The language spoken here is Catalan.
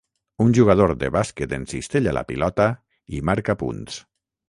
Un jugador de bàsquet encistella la pilota i marca punts.